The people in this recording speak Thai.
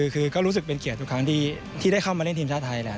คือก็รู้สึกเป็นเกียรติทุกครั้งที่ได้เข้ามาเล่นทีมชาติไทยแหละ